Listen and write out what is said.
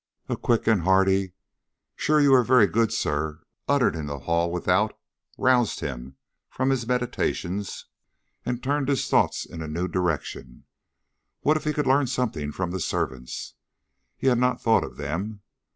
A quick and hearty, "Shure, you are very good, sir!" uttered in the hall without roused him from his meditations and turned his thoughts in a new direction. What if he could learn something from the servants? He had not thought of them.